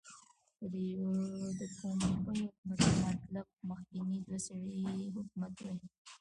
که د پومپیو مطلب مخکنی دوه سری حکومت وي.